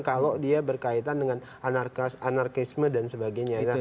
kalau dia berkaitan dengan anarkisme dan sebagainya